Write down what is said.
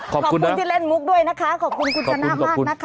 ขอบคุณที่เล่นมุกด้วยนะคะขอบคุณคุณชนะมากนะคะ